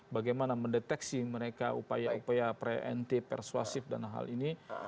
bagaimana mendeteksi mereka upaya upaya pre enty persuasif dan hal ini